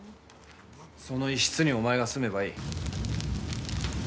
その一室にお前が住めばいい。